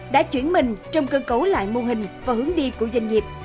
đã chuyển mình trong cơ cấu lại mô hình và hướng đi của doanh nghiệp